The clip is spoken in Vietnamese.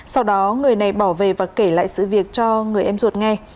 sau đó người này bỏ về và kể lại sự việc cho người em ruột nghe